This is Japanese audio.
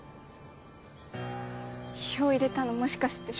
票入れたのもしかして。